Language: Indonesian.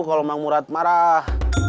kalau emang murad marah